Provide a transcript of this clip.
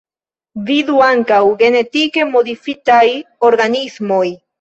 Vidu ankaŭ: Genetike modifitaj organismoj.